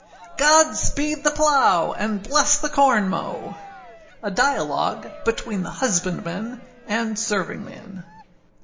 GOD SPEED THE PLOW, AND BLESS THE CORN MOW. A DIALOGUE BETWEEN THE HUSBANDMAN AND SERVINGMAN.